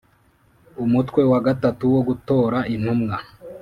umutwe wa gatatu wo gutora intumwa